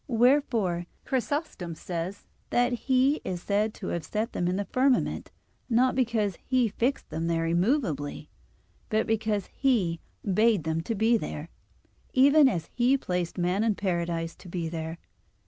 Wherefore Chrysostom says (Hom. vi in Gen.) that He is said to have set them in the firmament, not because He fixed them there immovably, but because He bade them to be there, even as He placed man in Paradise, to be there.